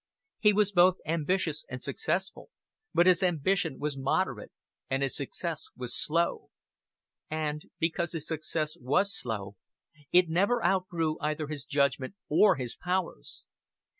He was both ambitious and successful, but his ambition was moderate, and his success was slow. And, because his success was slow, it never outgrew either his judgment or his powers.